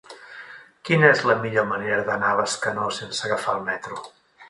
Quina és la millor manera d'anar a Bescanó sense agafar el metro?